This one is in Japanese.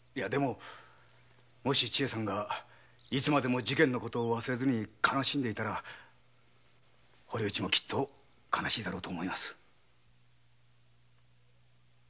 でも千恵さんがいつまでも事件の事を忘れず悲しんでいたら堀内もきっと悲しいだろうと思います。